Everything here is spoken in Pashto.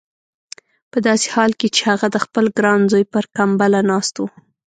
په داسې حال کې چې هغه د خپل ګران زوی پر کمبله ناست و.